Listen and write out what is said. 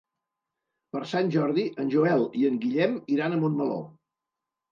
Per Sant Jordi en Joel i en Guillem iran a Montmeló.